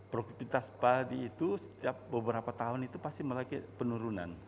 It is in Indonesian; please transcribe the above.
produktivitas padi itu setiap beberapa tahun itu pasti melalui penurunan